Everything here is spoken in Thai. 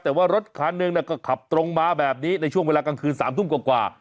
แต่ว่ารถคันหนึ่งก็ขับตรงมาแบบนี้ในช่วงเวลากลางคืน๓ทุ่มกว่า